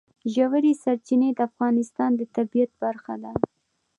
ژورې سرچینې د افغانستان د طبیعت برخه ده.